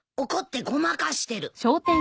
怒ってごまかしてる。